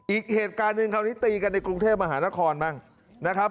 อีกเหตุการณ์หนึ่งคราวนี้ตีกันในกรุงเทพมหานครบ้างนะครับ